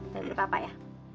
lihat dulu kapa ya